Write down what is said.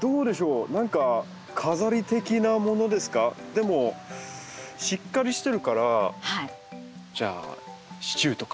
でもしっかりしてるからじゃあ支柱とか？